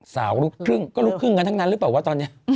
ลูกครึ่งก็ลูกครึ่งกันทั้งนั้นหรือเปล่าวะตอนนี้